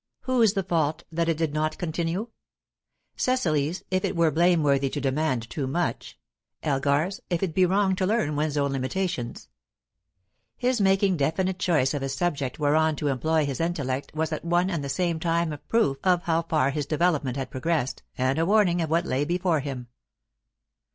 Whose the fault that it did not continue? Cecily's, if it were blameworthy to demand too much; Elgar's, if it be wrong to learn one's own limitations. His making definite choice of a subject whereon to employ his intellect was at one and the same time a proof of how far his development had progressed and a warning of what lay before him.